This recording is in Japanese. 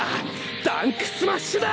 ダンクスマッシュだ！！